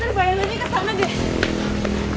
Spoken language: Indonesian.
kan bayangannya ke sana deh